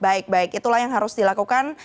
baik baik itulah yang harus dilakukan